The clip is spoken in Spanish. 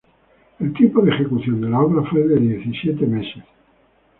El tiempo de ejecución de la obra fue de diecisiete meses.